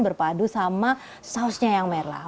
berpadu sama sausnya yang merah